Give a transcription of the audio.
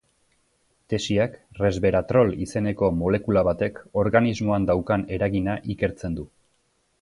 Tesiak resveratrol izeneko molekula batek organismoan daukan eragina ikertzen du.